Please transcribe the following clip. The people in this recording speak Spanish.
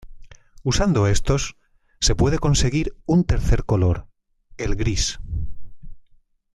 Usando estos, se puede conseguir un tercer color, el gris.